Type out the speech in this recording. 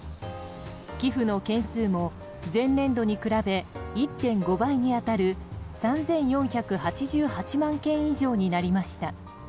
寄付の件数も前年度に比べ１．５倍に当たる３４８８万件以上になりました。